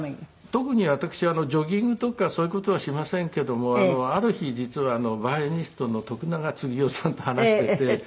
特に私はジョギングとかそういう事はしませんけどもある日実はバイオリニストの徳永二男さんと話していて。